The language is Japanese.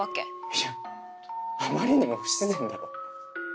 いやあまりにも不自然だろ。